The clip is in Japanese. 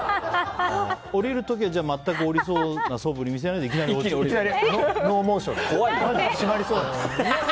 降りる時は全く降りそうなそぶり見せないでノーモーションで。